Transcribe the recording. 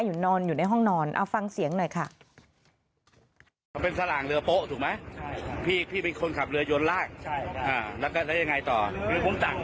นอนอยู่ในห้องนอนเอาฟังเสียงหน่อยค่ะ